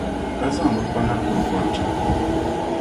ka zaŋ bɛ kpana kuri gɔriti.